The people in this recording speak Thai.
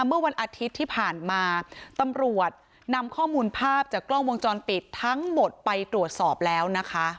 เมื่อวันอาทิตย์ที่ผ่านมาตำรวจนำข้อมูลภาพจากกล้องวงจรปิดทั้งหมดไปตรวจสอบแล้วนะคะ